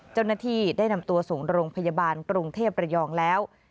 เจ้าหน้าที่ได้นำตัวส่งโรงพยาบาลกรุงเทพระยองแล้ว